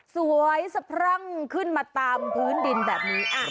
สวยสะพรั่งขึ้นมาตามพื้นดินแบบนี้